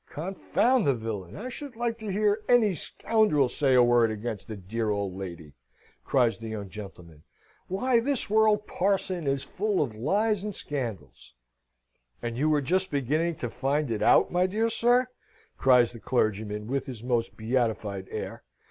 "Confound the villain! I should like to hear any scoundrel say a word against the dear old lady," cries the young gentleman. "Why, this world, parson, is full of lies and scandal!" "And you are just beginning to find it out, my dear sir," cries the clergyman, with his most beatified air.